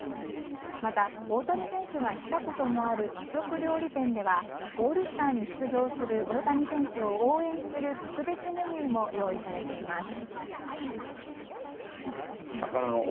また、大谷選手が来たこともある和食料理店ではオールスターに出場する大谷選手を応援する特別メニューも用意されています。